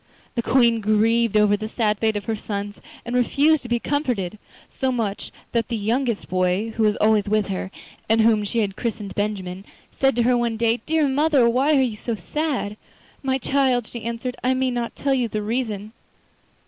The Queen grieved over the sad fate of her sons and refused to be comforted, so much so that the youngest boy, who was always with her, and whom she had christened Benjamin, said to her one day: 'Dear mother, why are you so sad?' 'My child,' she answered, 'I may not tell you the reason.